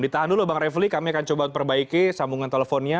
ditahan dulu bang refli kami akan coba perbaiki sambungan teleponnya